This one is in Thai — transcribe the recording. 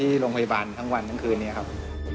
ที่โรงพยาบาลทั้งวันทั้งคืนนี้ครับ